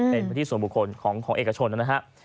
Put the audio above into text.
เป็นพื้นที่ส่วนบุคคลของเอกชนนะครับ